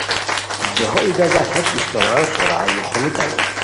دیہو ای گازہ ہیت استوران سورار یو خومیتانی